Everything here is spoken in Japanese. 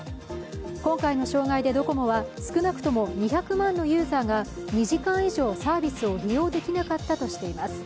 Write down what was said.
今回の障害でドコモは少なくとも２００万のユーザーが２時間以上サービスを利用できなかったとしています。